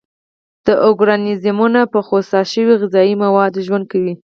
دا ارګانیزمونه په خوسا شوي غذایي موادو ژوند کوي.